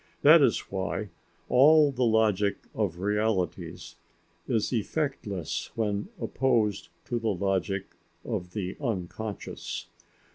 That is why all the logic of realities is effectless when opposed to the logic of the unconscious.